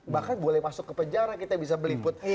bahkan boleh masuk ke penjara kita bisa meliput